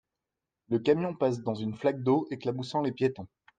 Le camion passe dans une flaque d’eau, éclaboussant les piétons.